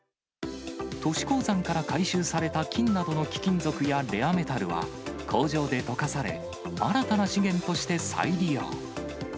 都市鉱山から回収された金などの貴金属やレアメタルは工場で溶かされ、新たな資源として再利用。